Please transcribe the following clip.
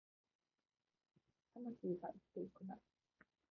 魂が生きてくなら